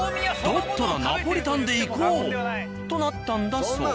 だったらナポリタンでいこう！となったんだそう。